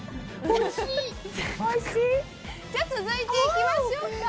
続いていきましょうか。